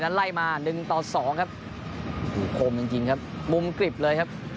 นั้นไล่มา๑ต่อ๒ครับดูโคมจริงครับมุมกริบเลยครับ